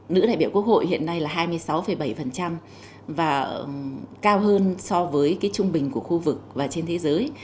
nữ đại biểu quốc hội hiện nay là hai mươi sáu bảy và cao hơn so với cái trung bình của khu vực và trên thế giới